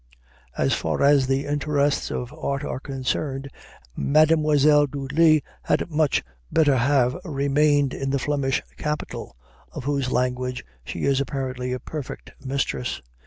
As far as the interests of art are concerned, Mademoiselle Dudley had much better have remained in the Flemish capital, of whose language she is apparently a perfect mistress.